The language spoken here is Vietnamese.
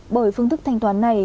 bởi phương thức thanh toán này